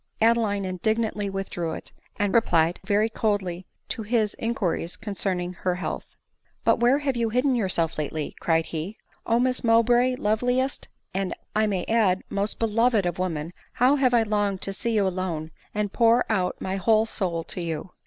Adeline in dignantly withdrew it, and replied very coldly to his in quiries concerning her health. " But where have you hidden yourself lately ?" cried he —" O Miss Mowbray ! loveliest and, I may add, most beloved of women, bow have I longed to see you alone, and pour out my whole soul to you